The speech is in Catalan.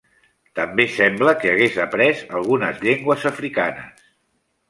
També sembla que hagués après algunes llengües africanes.